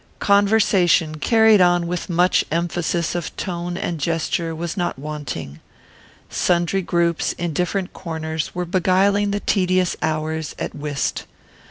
Conversation, carried on with much emphasis of tone and gesture, was not wanting. Sundry groups, in different corners, were beguiling the tedious hours at whist.